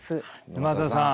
沼田さん。